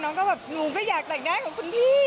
น้องก็แบบหนูก็อยากแต่งหน้ากับคุณพี่